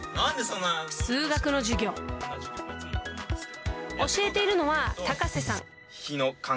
数学の授業、教えているのは高瀬さん。